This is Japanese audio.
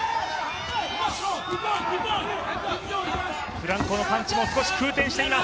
フランコのパンチも少し空転しています。